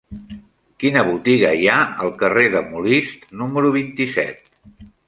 Quina botiga hi ha al carrer de Molist número vint-i-set?